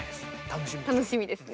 楽しみですね。